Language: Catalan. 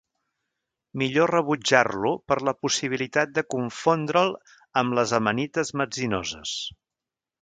Millor rebutjar-lo per la possibilitat de confondre'l amb les amanites metzinoses.